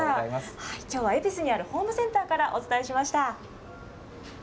きょうは恵比寿にあるホームセンターからお伝えしました。